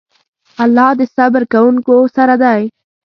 الله د صبر کوونکو سره دی.